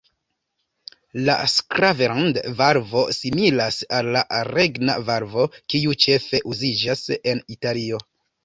La „Sclaverand“-valvo similas al la "Regina-valvo", kiu ĉefe uziĝas en Italio.